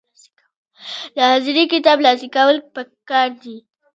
د حاضري کتاب لاسلیک کول پکار دي